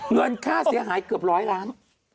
เงินค่าเสียหายเกือบร้อยล้าน